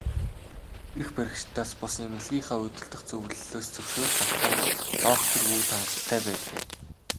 Эрх баригчдаас бус, эмнэлгийнхээ удирдах зөвлөлөөс зөвшөөрөл авах нь л доктор Вүд хангалттай байжээ.